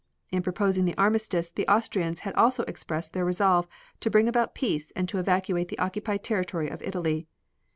In proposing the armistice the Austrians had also expressed their resolve to bring about peace and to evacuate the occupied territory of Italy.